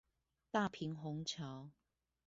大平紅橋